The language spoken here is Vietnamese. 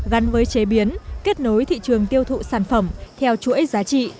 gắn với chế biến kết nối thị trường tiêu thụ sản phẩm theo chuỗi giá trị